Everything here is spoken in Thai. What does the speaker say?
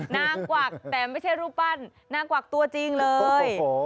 นางกวักแต่ไม่ใช่รูปปั้นนางกวักตัวจริงเลย